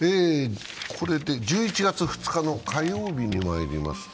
１１月２日の火曜日にまいります。